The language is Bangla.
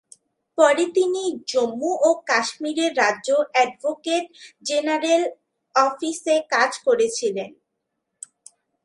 পরে তিনি জম্মু ও কাশ্মীরের রাজ্য অ্যাডভোকেট জেনারেল অফিসে কাজ করেছিলেন।